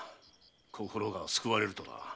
“心が救われる”とな。